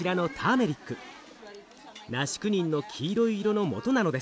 ナシクニンの黄色い色のもとなのです。